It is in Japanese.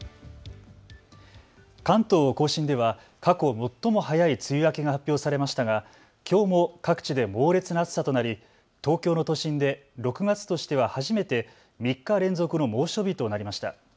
関東甲信では過去最も早い梅雨明けが発表されましたがきょうも各地で猛烈な暑さとなり東京の都心で６月としては初めて３日連続の猛暑日となりました。